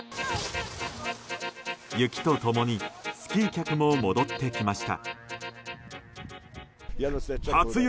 雪と共にスキー客も戻ってきました。